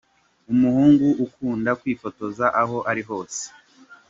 Umuhungu ukunda kwifotoza aho ari hose.